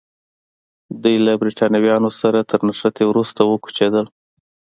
دوی له برېټانویانو سره تر نښتې وروسته وکوچېدل.